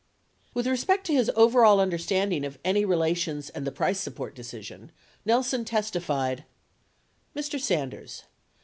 88 With respect to his overall understanding of any relations and the price support decision, Nelson testified : Mr. Sanders.